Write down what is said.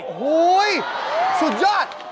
โอ้โหสุดยอด